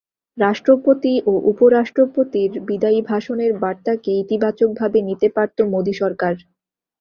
রাষ্ট্রপতি ও উপরাষ্ট্রপতির বিদায়ী ভাষণের বার্তাকে ইতিবাচকভাবে নিতে পারত মোদি সরকার।